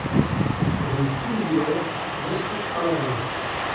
Rue Finkwiller, Meistratzheim